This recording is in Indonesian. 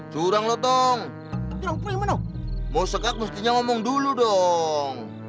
hai kakak kakak kakak kudjar hehehe kalah be hehehe hehehe curang lotong